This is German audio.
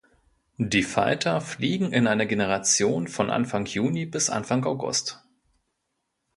Die Falter fliegen in einer Generation von Anfang Juni bis Anfang August.